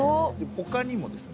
他にもですね。